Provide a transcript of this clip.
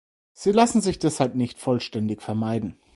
Sie lassen sich deshalb nicht vollständig vermeiden.